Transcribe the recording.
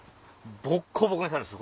ボッコボコにされるんです